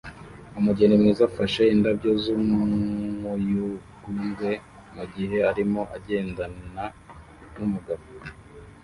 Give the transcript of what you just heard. Umugeni mwiza afashe indabyo z'umuyugubwe mugihe arimo agendana numugabo